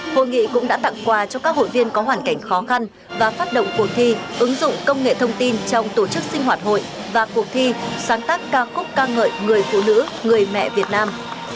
hội nghị cũng đã tặng quà cho các hội viên có hoàn cảnh khó khăn và phát động cuộc thi ứng dụng công nghệ thông tin trong tổ chức sinh hoạt hội và cuộc thi sáng tác ca khúc ca ngợi người phụ nữ người mẹ việt nam